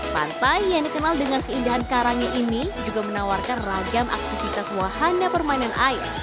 pantai yang dikenal dengan keindahan karangnya ini juga menawarkan ragam aktivitas wahana permainan air